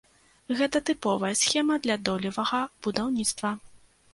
Гэта тыповая схема для долевага будаўніцтва.